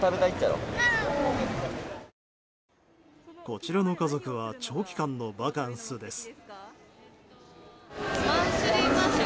こちらの家族は長期間のバカンスです。